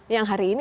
yang hari ini